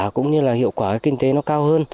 cũng như là hiệu quả kinh tế nó cao hơn